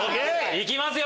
いきますよ